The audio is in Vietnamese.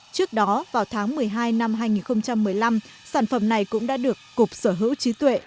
trước đó vào tháng một mươi hai năm hai nghìn một mươi năm sản phẩm này cũng đã được cục sở hữu trí tuệ